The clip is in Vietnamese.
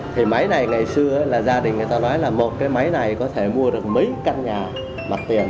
thì máy này ngày xưa là gia đình người ta nói là một cái máy này có thể mua được mấy căn nhà mặc tiền